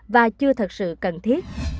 và chưa thật sự cần thiết